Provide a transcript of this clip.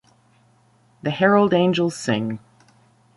The Herald Angels Sing.